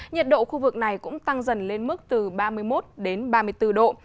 nhiệt độ khu vực này cũng tăng dần lên mức từ ba mươi một đến ba mươi bốn độ